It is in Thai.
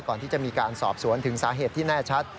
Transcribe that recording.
ก่อนที่จะมีการสอบสวนถึงสาเหตุที่แน่ชัด